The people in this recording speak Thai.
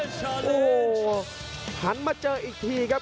โอ้โหหันมาเจออีกทีครับ